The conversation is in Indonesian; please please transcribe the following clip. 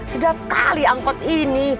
sedap kali angkot ini